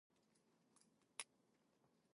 The term connotes a level of scarcity or exclusivity.